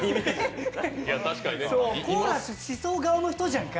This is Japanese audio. コーラスしそう顔の人じゃんか。